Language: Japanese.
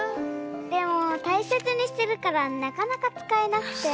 でもたいせつにしてるからなかなかつかえなくて。